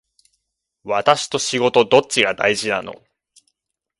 私と仕事どっちが大事なの